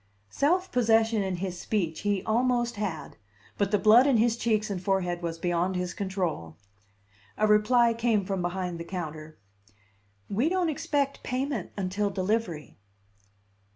Self possession in his speech he almost had; but the blood in his cheeks and forehead was beyond his control. A reply came from behind the counter: "We don't expect payment until delivery."